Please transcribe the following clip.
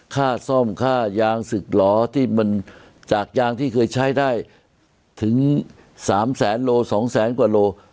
ค่าซ่อมค่ายางศึกหลอที่มันจากยางที่เคยใช้ได้ถึง๓แสนโล๒แสนกว่าโล